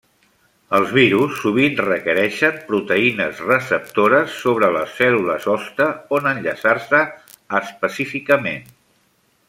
Els virus sovint requereixen proteïnes receptores sobre les cèl·lules hoste on enllaçar-se específicament.